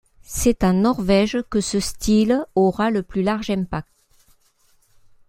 C'est en Norvège que ce style aura le plus large impact.